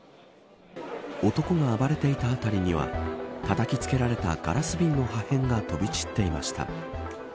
男が暴れていた辺りにはたたきつけられたガラス瓶の破片が飛び散っていました。